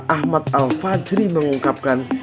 ahmad al fajri mengungkapkan